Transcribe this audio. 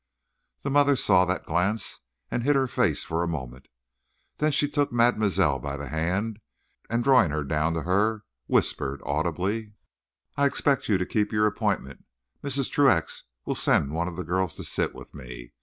The mother saw that glance, and hid her face for a moment; then she took mademoiselle by the hand, and drawing her down to her, whispered audibly: "I expect you to keep your appointment. Mrs. Truax will send one of the girls to sit with me.